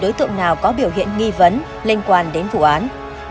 đối tượng nào có biểu hiện nghi vấn liên quan đến vụ án